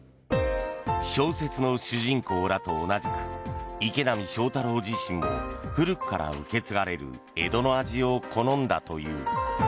小説の主人公らと同じく池波正太郎自身も古くから受け継がれる江戸の味を好んだという。